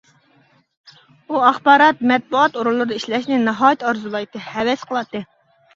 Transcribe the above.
ئۇ ئاخبارات، مەتبۇئات ئورۇنلىرىدا ئىشلەشنى ناھايىتى ئارزۇلايتتى، ھەۋەس قىلاتتى.